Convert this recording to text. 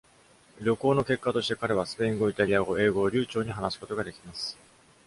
旅行の結果として、彼はスペイン語、イタリア語、英語を流暢に話すことができます。